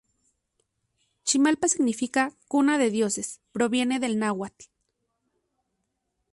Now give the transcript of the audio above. Chimalpa significa "Cuna de Dioses" proviene del náhuatl.